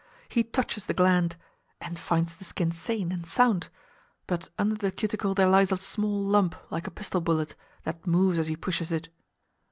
He touches the gland, and finds the skin sane and sound, but under the cuticle there lies a small lump like a pistol bullet, that moves as he pushes it.